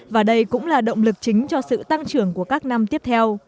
và đây cũng là động lực chính cho sự tăng trưởng của các năm tiếp theo